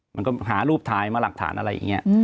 มันก็หารูปถ่ายมาหลักฐานอะไรอย่างนี้